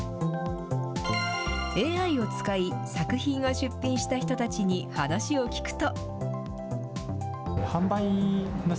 ＡＩを使い、作品を出品した人たちに話を聞くと。